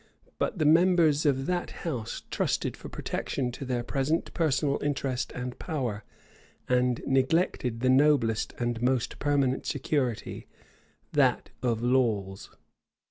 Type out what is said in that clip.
But the members of that house trusted for protection to their present personal interest and power, and neglected the noblest and most permanent security, that of laws.